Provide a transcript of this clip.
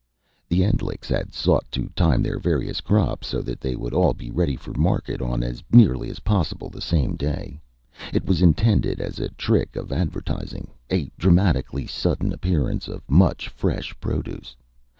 The Endlichs had sought to time their various crops, so that they would all be ready for market on as nearly as possible the same day. It was intended as a trick of advertising a dramatically sudden appearance of much fresh produce.